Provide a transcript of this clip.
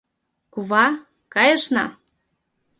— Кува, кайышна.